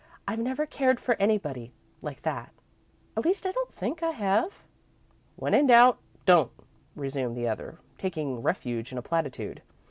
"I've never cared for anybody like that. At least, I don't think I have." "'When in doubt, don't,'" resumed the other, taking refuge in a platitude.